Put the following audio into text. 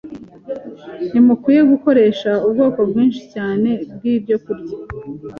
Ntimukwiriye gukoresha ubwoko bwinshi cyane bw’ibyokurya